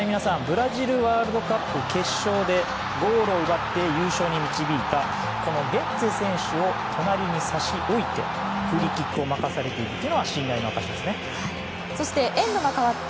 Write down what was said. ブラジルワールドカップ決勝でゴールを奪って優勝に導いたゲッツェ選手を隣に差し置いてフリーキックを任されたのは信頼の証ですね。